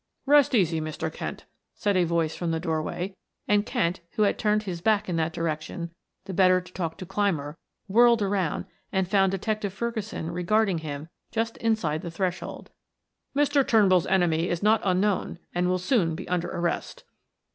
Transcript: '' "Rest easy, Mr. Kent," said a voice from the doorway and Kent, who had turned his back in that direction the better to talk to Clymer, whirled around and found Detective Ferguson regarding him just inside the threshold. "Mr. Turnbull's enemy is not unknown and will soon be under arrest."